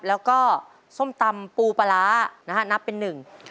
แล้วก็ส้มตำปูปลาร้านะฮะนับเป็นหนึ่ง